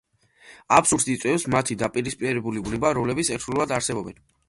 აბსურდს იწვევს მათი დაპირისპირებული ბუნება, რომლებიც ერთდროულად არსებობენ.